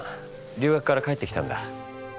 留学から帰ってきたんだ。